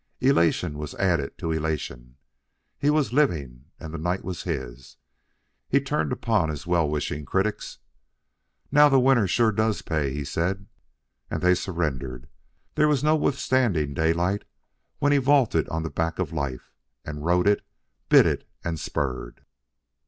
Elation was added to elation. He was living, and the night was his. He turned upon his well wishing critics. "Now the winner sure does pay," he said. And they surrendered. There was no withstanding Daylight when he vaulted on the back of life, and rode it bitted and spurred.